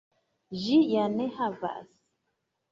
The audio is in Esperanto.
Ĝi ja ne havas!